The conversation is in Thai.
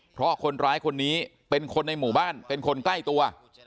เพราะคนร้ายคนนี้เป็นคนในหมู่บ้านเป็นคนใกล้ตัว